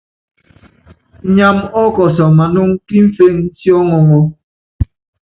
Inyam ɔ́kɔsɔ manɔŋ kí imféŋ sí ɔŋɔŋɔ́.